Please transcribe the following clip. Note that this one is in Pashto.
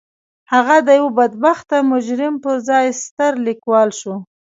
هغه د يوه بدبخته مجرم پر ځای ستر ليکوال شو.